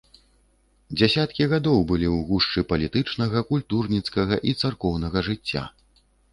Дзясяткі гадоў быў у гушчы палітычнага, культурніцкага і царкоўнага жыцця.